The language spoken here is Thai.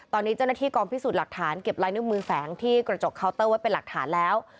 ตอนนี้เจ้าหน้าที่กองพิสูจน์หลักฐานเก็บลายนิ้วมือแฝงที่กระจกเคาน์เตอร์ไว้เป็นหลักฐานแล้ว